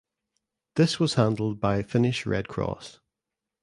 This was handled by Finnish Red Cross.